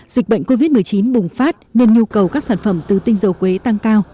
dịch bệnh covid một mươi chín bùng phát nên nhu cầu các sản phẩm từ tinh dầu quế tăng cao